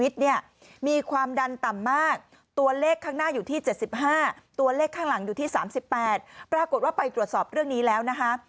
ปรากฏว่าไปตรวจสอบเรื่องนี้แล้วนะคะ